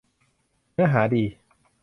เนื้อหาดี